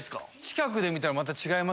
近くで見たらまた違う。